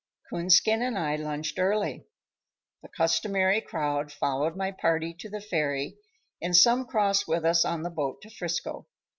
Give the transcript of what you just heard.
Coonskin and I lunched early. The customary crowd followed my party to the ferry, and some crossed with us on the boat to 'Frisco.